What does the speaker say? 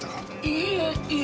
いいえいえ。